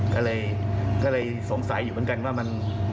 ก็เลยสงสัยอยู่เหมือนกันว่ามัน